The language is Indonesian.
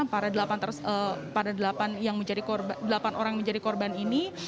para delapan orang yang menjadi korban ini